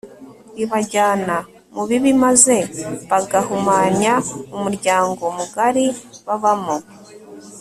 ibajyana mu bibi maze bagahumanya umuryango mugari babamo